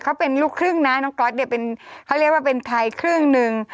เขาเป็นลูกครึ่งนะน้องก๊อตเนี่ยเป็นเขาเรียกว่าเป็นไทยครึ่งหนึ่ง